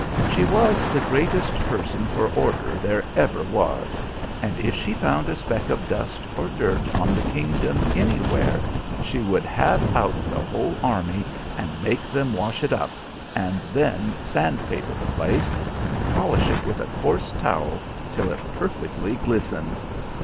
She was the greatest person for order there ever was; and if she found a speck of dust or dirt on the kingdom anywhere, she would have out the whole army and make them wash it up, and then sand paper the place, and polish it with a coarse towel till it perfectly glistened.